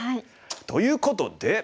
ということで。